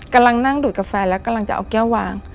กำลังนั่งดูดกาแฟแล้วกำลังจะเอาแก้ววาง